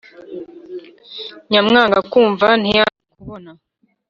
Nyamwanga kwumva ntiyanze kubona.